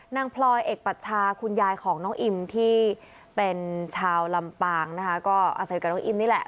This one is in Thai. พลอยเอกปัชชาคุณยายของน้องอิมที่เป็นชาวลำปางนะคะก็อาศัยกับน้องอิมนี่แหละ